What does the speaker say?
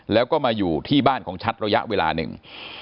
แล้วก็มาอยู่ที่บ้านของชัดระยะเวลาหนึ่ง